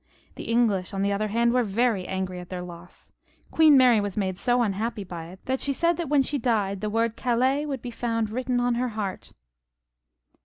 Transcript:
The English, on the other hand, were very angry at their loss. Queen Mary was made so unhappy by it that she said that when she died the word " Calais " would be found written on her heart.